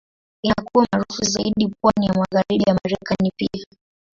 Inakuwa maarufu zaidi pwani ya Magharibi ya Marekani pia.